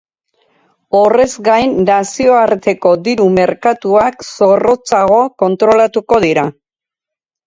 Horrez gain, nazioarteko diru merkatuak zorrotzago kontrolatuko dira.